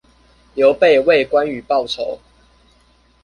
劉備為關羽報仇